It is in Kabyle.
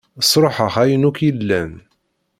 Ṣṛuḥeɣ ayen akk yellan.